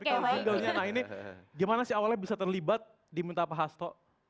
tapi kalau jinglenya nah ini gimana sih awalnya bisa terlibat di minta pak rasto